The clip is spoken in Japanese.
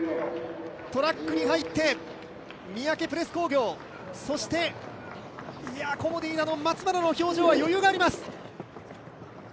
トラックに入って、プレス工業の三宅、そしてコモディイイダの松村の表情は余裕があります。